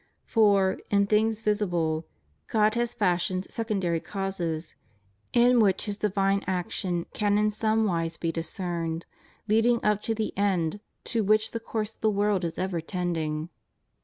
For, in things visible, God has fashioned secondary causes, in which His divine action can in some wise be discerned, leading up to the end to which the course of the world is ever tending.